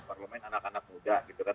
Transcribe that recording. parlemen anak anak muda gitu kan